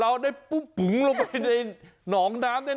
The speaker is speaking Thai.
เราได้ปุ้งลงไปในน้องน้ำแน่เลย